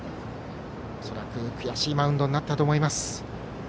恐らく悔しいマウンドになったと思います。